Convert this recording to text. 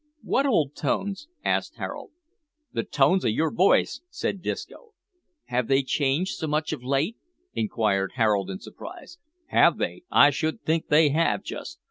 "What old tones?" asked Harold. "The tones of your voice," said Disco. "Have they changed so much of late?" inquired Harold in surprise. "Have they? I should think they have, just.